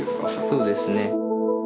そうですね。